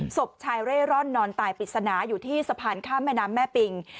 ศพชายเร่ร่อนนอนตายปริศนาอยู่ที่สะพานข้ามแม่น้ำแม่ปิง